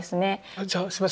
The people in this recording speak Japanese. じゃあすいません